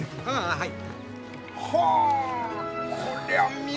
はい！